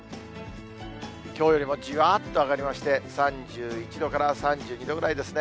きょうよりもじわっと上がりまして、３１度から３２度ぐらいですね。